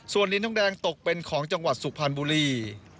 ส่วนลิ้นทองแดงตกเป็นของจังหวัดสุพรรณบุรี